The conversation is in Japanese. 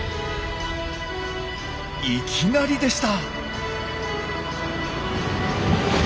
いきなりでした。